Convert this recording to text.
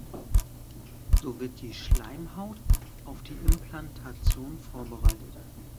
So wird die Schleimhaut auf die Implantation vorbereitet.